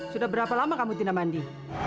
sudah berapa lama kamu tidak mandi